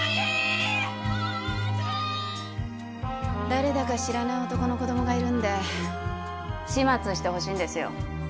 誰だか知らない男の子どもがいるんで始末してほしいんですよ。